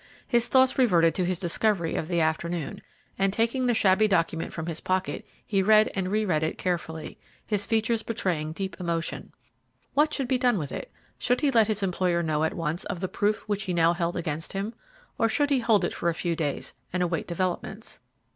His thoughts reverted to his discovery of the afternoon, and, taking the shabby document from his pocket, he read and re read it carefully, his features betraying deep emotion. What should be done with it? Should he let his employer know at once of the proof which he now held against him? Or should he hold it for a few days and await developments?